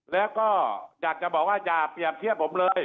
แล้วก็อยากจะบอกว่าอย่าเปรียบเทียบผมเลย